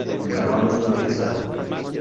¿Encargamos una pizza?